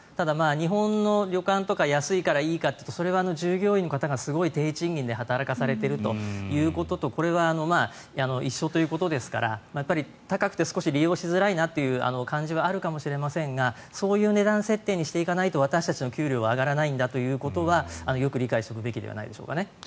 日本の旅館とか安いからいいかというとそれは従業員の方がすごい低賃金で働かされているということとこれは一緒ということですから高くて少し利用しづらいなという感じはあるかもしれませんがそういう値段設定にしていかないと私たちの給料は上がらないんだということはよく理解しておくべきではないでしょうか。